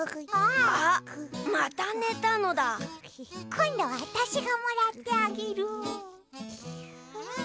こんどはわたしがもらってあげる。